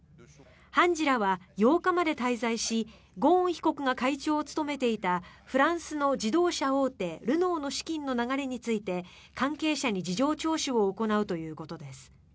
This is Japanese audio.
判事らは８日まで滞在しゴーン被告が会長を務めていたフランスの自動車大手ルノーの資金の流れについて関係者に事情聴取を行うということです。